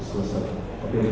tapi yang terakhir